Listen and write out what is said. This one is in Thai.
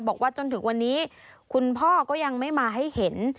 บอกว่าจนถึงวันนี้คุณพ่อก็ยังไม่มาให้เห็น